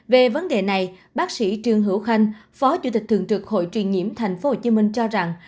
về vấn đề này bác sĩ trương hữu khanh phó chủ tịch thường trực hội truyền nhiễm tp hcm cho rằng